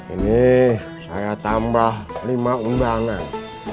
ini saya tambah lima undangan